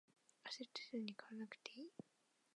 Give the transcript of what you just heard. あせってすぐに買わなくていい